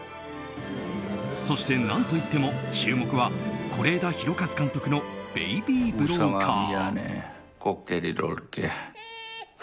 そして、何といっても注目は是枝裕和監督の「ベイビー・ブローカー」。